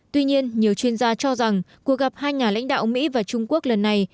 tuy nhiên nhiều chuyên gia cho rằng cuộc gặp hai nhà lãnh đạo mỹ và trung quốc lần này